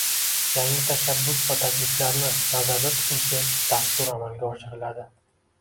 yangi tashabbus va takliflarni nazarda tutuvchi dastur amalga oshiriladi.